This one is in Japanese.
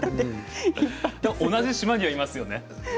同じ島にはいますよね。